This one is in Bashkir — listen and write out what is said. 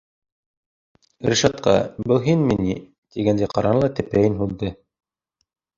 Ришатҡа, был һинме ни, тигәндәй ҡараны ла тәпәйен һуҙҙы.